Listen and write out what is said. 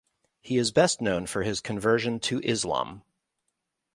He is best known for his conversion to Islam.